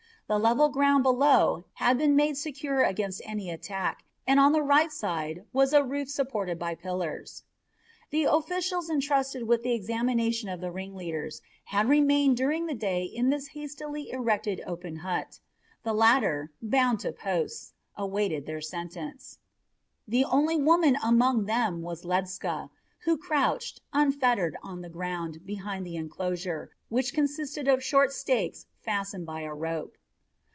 The level ground below had been made secure against any attack, and on the right side was a roof supported by pillars. The officials intrusted with the examination of the ringleaders had remained during the day in this hastily erected open hut. The latter, bound to posts, awaited their sentence. The only woman among them was Ledscha, who crouched, unfettered, on the ground behind the enclosure, which consisted of short stakes fastened by a rope.